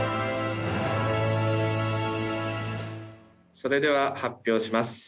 それでは発表します。